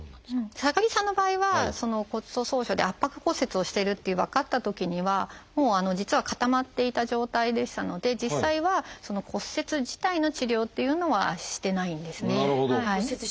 高木さんの場合は骨粗しょう症で圧迫骨折をしていると分かったときにはもう実は固まっていた状態でしたので実際は骨折自体の治療っていうのはしてないんですね。